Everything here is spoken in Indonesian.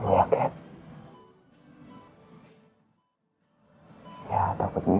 terpercaya langsung dengan seratus orang sebagaitranness